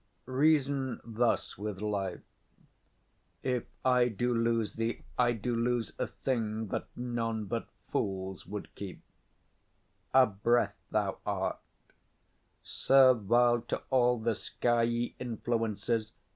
Reason thus with life: If I do lose thee, I do lose a thing That none but fools would keep: a breath thou art, Servile to all the skyey influences.